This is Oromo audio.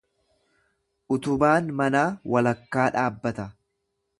Utubaan mana walakkaa dhaabbata.